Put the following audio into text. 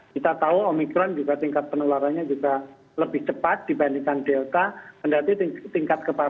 kita tahu omikron juga tingkat penularannya juga lebih cepat dibandingkan delta